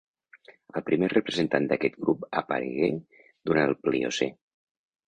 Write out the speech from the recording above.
El primer representant d'aquest grup aparegué durant el Pliocè.